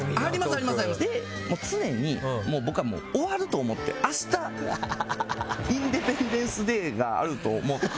もう常に僕は終わると思って明日、インデペンデンス・デイがあると思って。